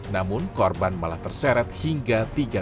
namun korban malah terseret hingga